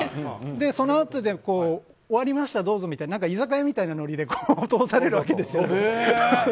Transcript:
そのあとで終わりましたどうぞみたいな感じで居酒屋みたいなノリで通されるわけですよ。